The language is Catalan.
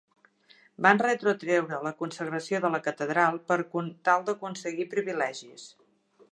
Van retrotreure la consagració de la catedral per tal d'aconseguir privilegis.